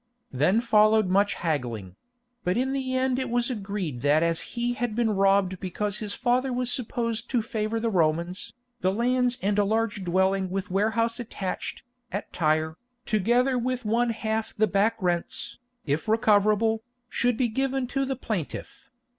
Then followed much haggling; but in the end it was agreed that as he had been robbed because his father was supposed to favour the Romans, the lands and a large dwelling with warehouse attached, at Tyre, together with one half the back rents, if recoverable, should be given to the plaintiff.